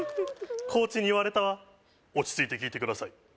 コーチに言われたわ落ち着いて聞いてください